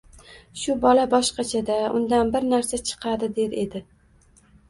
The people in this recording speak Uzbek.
– Shu bola boshqachada! Undan bir narsa chiqadi, – der edi.